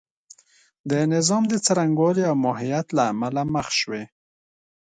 د نظام د څرنګوالي او ماهیت له امله مخ شوې.